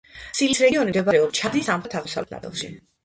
სილის რეგიონი მდებარეობს ჩადის სამხრეთ-აღმოსავლეთ ნაწილში.